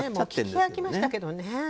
聞き飽きましたけどね。